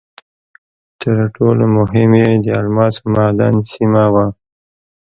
تر ټولو مهم یې د الماسو معدن سیمه وه.